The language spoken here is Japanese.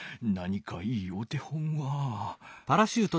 何かいいお手本は。